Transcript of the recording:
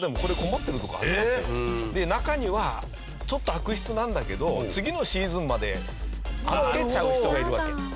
中にはちょっと悪質なんだけど次のシーズンまで預けちゃう人がいるわけ。